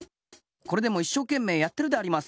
これでもいっしょうけんめいやってるであります。